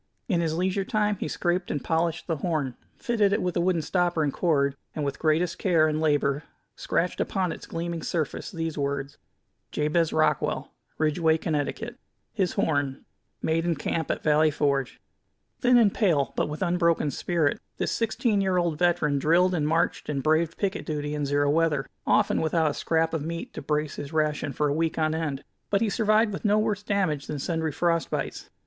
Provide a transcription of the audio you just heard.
In his leisure time he scraped and polished the horn, fitted it with a wooden stopper and cord, and with greatest care and labor scratched upon its gleaming surface these words: Jabez Rockwell, Ridgeway, Conn His Horn Made in Camp at Valley Forge Thin and pale, but with unbroken spirit, this sixteen year old veteran drilled and marched and braved picket duty in zero weather, often without a scrap of meat to brace his ration for a week on end; but he survived with no worse damage than sundry frost bites.